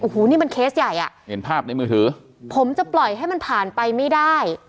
อูหูนี่มันเคสใหญ่อะผมจะปล่อยให้มันผ่านไปไม่ได้